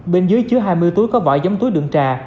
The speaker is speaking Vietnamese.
bên dưới chứa hai mươi túi có vỏ giống túi đựng trà